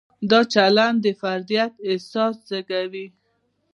دا چلند د فردیت احساس زېږوي.